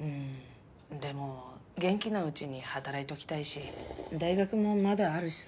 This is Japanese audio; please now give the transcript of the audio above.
うんでも元気なうちに働いときたいし大学もまだあるしさ。